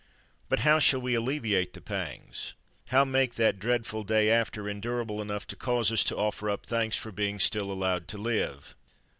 But how shall we alleviate the pangs? How make that dreadful "day after" endurable enough to cause us to offer up thanks for being still allowed to live?